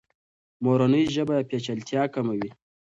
مورنۍ ژبه پیچلتیا کموي.